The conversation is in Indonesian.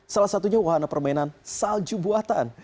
salah satunya wahana permainan salju buatan